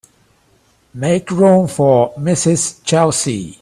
Make room for Mrs. Chelsea.